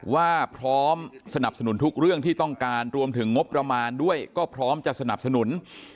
ว่าพร้อมสนับสนุนทุกเรื่องที่ต้องการรวมถึงงบประมาณด้วยก็พร้อมจะสนับสนุน